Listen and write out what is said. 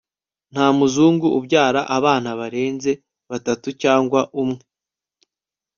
ntamuzungu ubyara abana barenze batatu cyangwa umwe